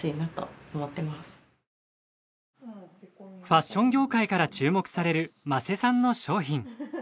ファッション業界から注目される間瀬さんの商品。